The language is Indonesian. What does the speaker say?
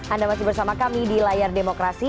anda masih bersama kami di layar demokrasi